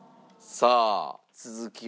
さあ続きを。